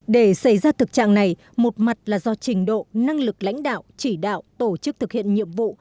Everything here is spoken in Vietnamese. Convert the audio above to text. để xảy ra thực trạng này một mặt là do trình độ năng lực lãnh đạo chỉ đạo tổ chức thực hiện nhiệm vụ